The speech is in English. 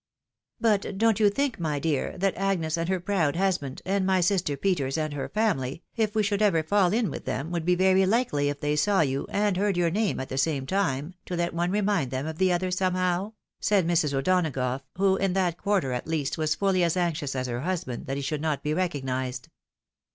" But don't you think, my dear, that Agnes and her proud husband, and my sister Peters and her family, if we should ever fall in with them, would be very likely, >if they saw you, and heard your name at the same time, to let one remind them of the other somehow?" said Mrs. O'Donagough, who, in that quarter, at least, was fully as anxious as her husband that he should not be recognised.